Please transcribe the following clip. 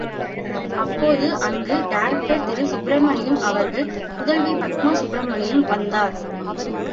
அப்போது அங்கு டைரக்டர் திரு சுப்ரமணியம் அவர்களின் புதல்வி பத்மா சுப்ரமணியம் வந்தார்.